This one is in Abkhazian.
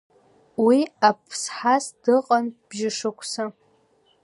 Уи Аԥсҳас дыҟан быжь-шықәса.